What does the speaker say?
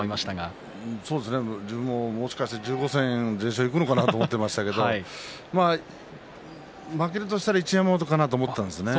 自分も、もしかして１５戦全勝でいくのかなと思っていましたけれど負けるとしたら、一山本かなと思っていたんですよね。